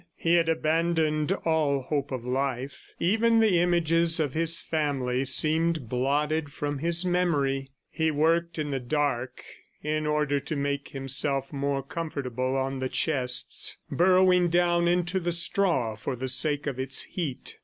He had abandoned all hope of life; even the images of his family seemed blotted from his memory. He worked in the dark in order to make himself more comfortable on the chests, burrowing down into the straw for the sake of its heat.